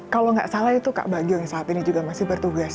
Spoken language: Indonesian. kalau nggak salah itu kak bagio yang saat ini juga masih bertugas